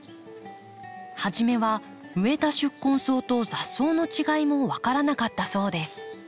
初めは植えた宿根草と雑草の違いも分からなかったそうです。